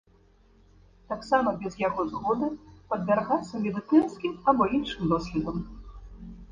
Таксама без яго згоды падвяргацца медыцынскім або іншым доследам.